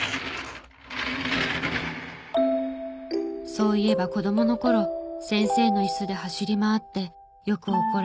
そういえば子供の頃先生のいすで走り回ってよく怒られたなあ。